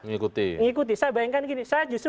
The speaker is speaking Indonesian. mengikuti saya bayangkan gini saya justru